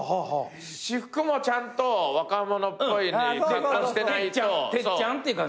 「私服もちゃんと若者っぽい格好してないと」